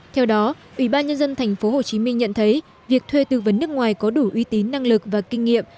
theo đó ủy ban nhân dân tp hcm nhận thấy việc thuê tư vấn nước ngoài có đủ uy tín năng lực và kinh nghiệm